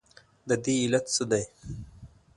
ددې علت څه دی؟